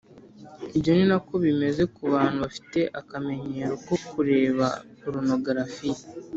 Ibyo ni na ko bimeze ku bantu bafite akamenyero ko kureba porunogarafiya